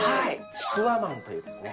チクワマンというですね。